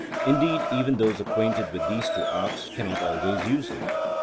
Indeed, even those acquainted with these two arts can not always use them.